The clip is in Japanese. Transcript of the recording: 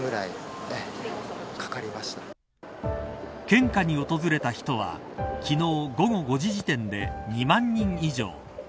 献花に訪れた人は昨日、午後５時時点で２万人以上。